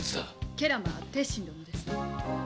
慶良間鉄心殿ですね？